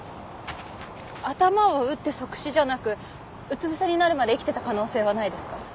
頭を打って即死じゃなくうつ伏せになるまで生きていた可能性はないですか？